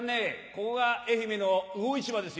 ここが愛媛の魚市場ですよ。